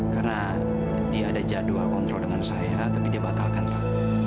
karena dia ada jadwal kontrol dengan saya tapi dia batalkan pak